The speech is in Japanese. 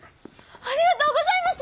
ありがとうございます！